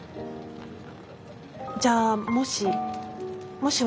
じゃあもしもし